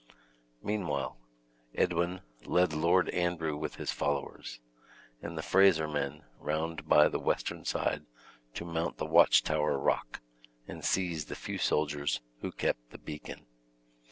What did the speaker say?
Meanwhile, Edwin led Lord Andrew with his followers, and the Fraser men, round by the western side to mount the watchtower rock, and seize the few soldiers who kept the beacon.